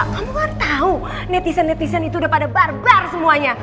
kamu kan tahu netizen netizen itu udah pada barbar semuanya